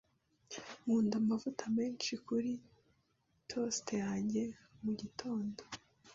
Nkunda amavuta menshi kuri toast yanjye mugitondo.